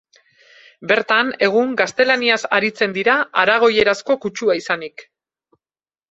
Bertan, egun, gaztelaniaz aritzen dira aragoierazko kutsua izanik.